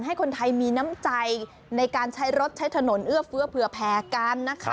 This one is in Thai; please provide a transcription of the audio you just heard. ให้คนไทยมีน้ำใจในการใช้รถใช้ถนนเอื้อเฟื้อเผื่อแผ่กันนะคะ